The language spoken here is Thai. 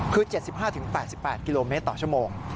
คือ๗๕๘๘กิโลเมตรต่อชั่วโมง